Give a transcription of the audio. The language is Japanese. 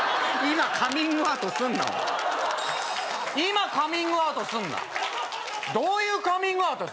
今カミングアウトすんなどういうカミングアウト？